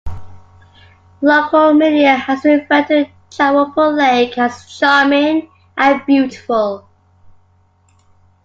Local media has referred to Chaiwopu Lake as "charming and beautiful".